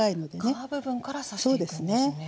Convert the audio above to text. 皮部分から刺していくんですね。